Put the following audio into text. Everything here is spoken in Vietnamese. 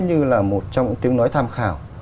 như là một trong những tiếng nói tham khảo